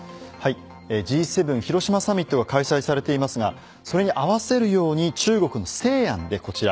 Ｇ７広島サミットが開催されていますがそれに合わせるように中国の西安で、こちら。